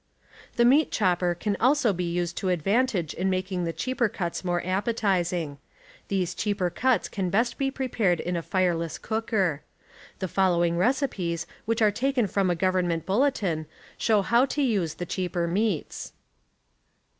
The meat chopper can also be used to advantage in making the cheaper cuts more appetizing. These cheaj^er cuts can best be prepared in a tireless cooker. The following recipes which are taken from a government bulletin shmv how to use the cheaper meats.